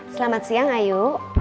selamat siang ayu